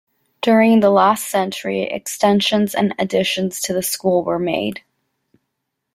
During the last century extensions and additions to the school were made.